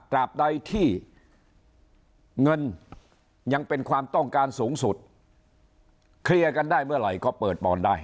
บใดที่เงินยังเป็นความต้องการสูงสุดเคลียร์กันได้เมื่อไหร่ก็เปิดบอลได้